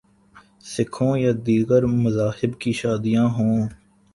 سکھوں یا دیگر مذاہب کی شادیاں ہوں۔